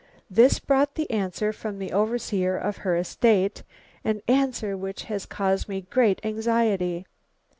This brought the answer from the overseer of her estate, an answer which has caused me great anxiety.